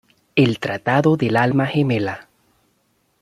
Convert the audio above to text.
El tratado del alma gemela".